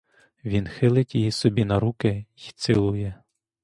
Він хилить її собі на руки й цілує.